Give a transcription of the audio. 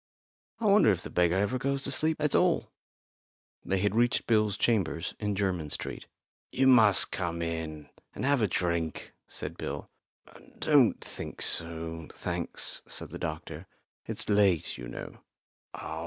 I wonder if the beggar ever goes to sleep at all?" They had reached Bill's chambers in Jermyn Street. "You must come in and have a drink," said Bill. "Don't think so, thanks," said the doctor; "it's late, you know."